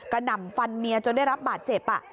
หน่ำฟันเมียจนได้รับบาดเจ็บ